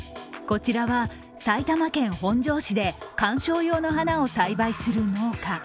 こちらは埼玉県本庄市で観賞用の花を栽培する農家。